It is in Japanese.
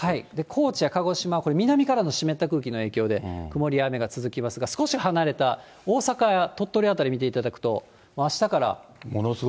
高知や鹿児島、これ、南からの湿った空気の影響で、曇りや雨が続きますが、少し離れた大阪や鳥取辺り見ていただくと、あしたから。